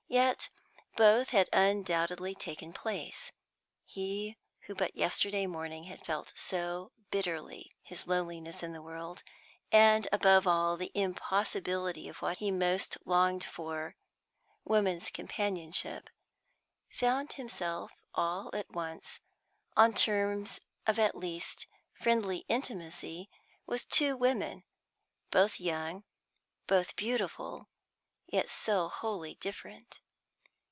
Yet both had undoubtedly taken place. He, who but yesterday morning had felt so bitterly his loneliness in the world, and, above all, the impossibility of what he most longed for woman's companionship found himself all at once on terms of at least friendly intimacy with two women, both young, both beautiful, yet so wholly different.